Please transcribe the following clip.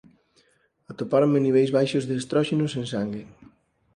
Atopáronme niveis baixos de estróxenos en sangue